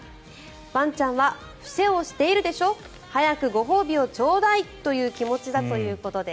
ワンちゃんは伏せをしているでしょ早くご褒美をちょうだいという気持ちだということです。